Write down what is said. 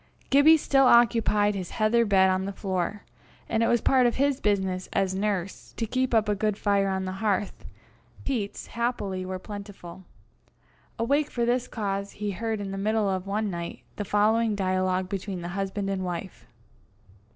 Gibbie still occupied his heather bed on the floor, and it was part of his business, as nurse, to keep up a good fire on the hearth: peats, happily, were plentiful. Awake for this cause, he heard in the middle of one night, the following dialogue between the husband and wife.